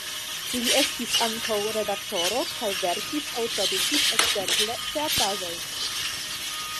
Li estis ankaŭ redaktoro kaj verkis aŭ tradukis ekzemple teatraĵojn.